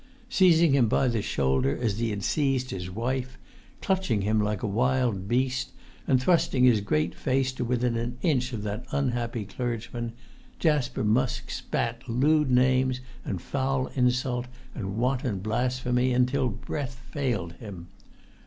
Seizing him by the shoulder as he had seized his wife, clutch[Pg 27]ing him like a wild beast, and thrusting his great face to within an inch of that of the unhappy clergyman, Jasper Musk spat lewd names, and foul insult, and wanton blasphemy, until breath failed him.